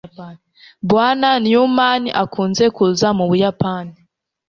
bwana newman akunze kuza mu buyapani